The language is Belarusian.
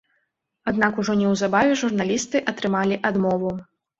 Аднак ужо неўзабаве журналісты атрымалі адмову.